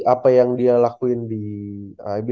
apa yang dia lakuin di ibl